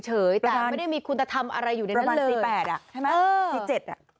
แต่ไม่ได้มีคุณธรรมอะไรอยู่ในนั้นเลยประบันสี่แปดอ่ะใช่ไหมสี่เจ็ดอ่ะ